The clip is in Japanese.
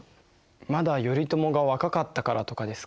まだ頼朝が若かったからとかですかね。